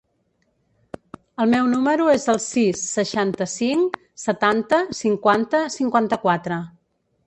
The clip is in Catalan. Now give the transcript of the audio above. El meu número es el sis, seixanta-cinc, setanta, cinquanta, cinquanta-quatre.